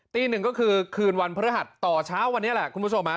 ตีหนึ่งก็คือคืนวันพฤหัสต่อเช้าวันนี้แหละคุณผู้ชมฮะ